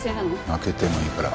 負けてもいいから。